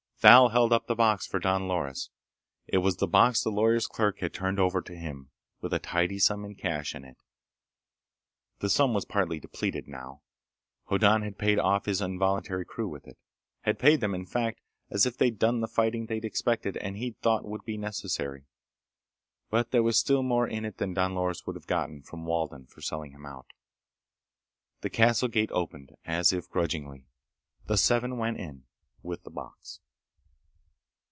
Thal held up the box for Don Loris. It was the box the lawyer's clerk had turned over to him, with a tidy sum in cash in it. The sum was partly depleted, now. Hoddan had paid off his involuntary crew with it—had paid them, in fact, as if they'd done the fighting they'd expected and he'd thought would be necessary. But there was still more in it than Don Loris would have gotten from Walden for selling him out. The castle gate opened, as if grudgingly. The seven went in. With the box.